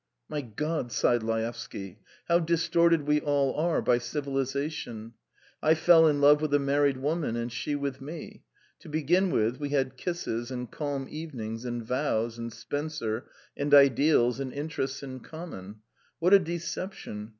"My God!" sighed Laevsky; "how distorted we all are by civilisation! I fell in love with a married woman and she with me. ... To begin with, we had kisses, and calm evenings, and vows, and Spencer, and ideals, and interests in common. ... What a deception!